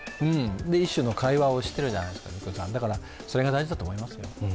一種の会話をしているじゃないですか、それが大事だと思います。